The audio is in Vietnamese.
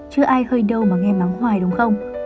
chứ ai hơi đau mà nghe mắng hoài đúng không